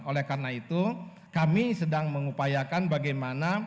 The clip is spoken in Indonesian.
oleh karena itu kami sedang mengupayakan bagaimana